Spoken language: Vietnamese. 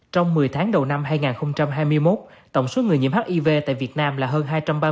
trong một mươi tháng đầu năm hai nghìn hai mươi một tổng số người nhiễm hiv tại việt nam là hơn hai trăm ba mươi ca